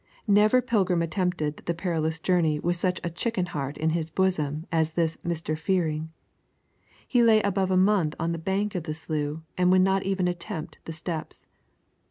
Never pilgrim attempted the perilous journey with such a chicken heart in his bosom as this Mr. Fearing. He lay above a month on the bank of the slough, and would not even attempt the steps.